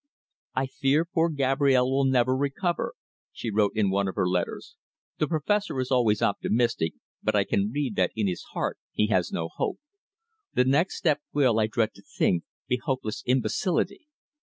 "I fear poor Gabrielle will never recover," she wrote in one of her letters. "The Professor is always optimistic, but I can read that in his heart he has no hope. The next step will, I dread to think, be hopeless imbecility!"